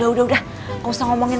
udah udah gak usah ngomongin